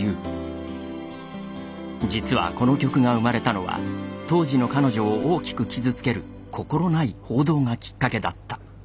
実はこの曲が生まれたのは当時の彼女を大きく傷つける心ない報道がきっかけだった。